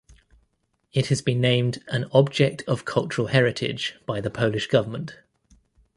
It has been named an "object of cultural heritage" by the Polish government.